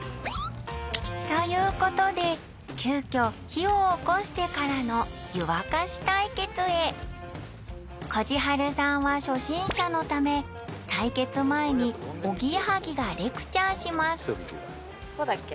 ということできょ火をおこしてからの湯沸かし対決へこじはるさんは初心者のため決前におぎやはぎがレクチャーしますうだっけ？